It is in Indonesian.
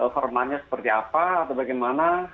formalnya seperti apa atau bagaimana